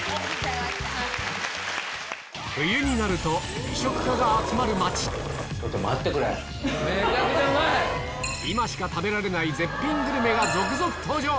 冬になると美食家が集まる町今しか食べられない絶品グルメが続々登場！